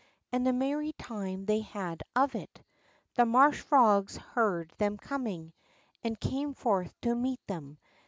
And a merry time they had of it. The marsh frogs heard tliem coming, and came forth to meet tliem.